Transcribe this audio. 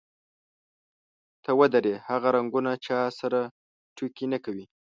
ته ودرې، هغه رنګونه چا سره ټوکې نه کوي.